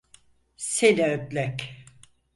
Seni ödlek!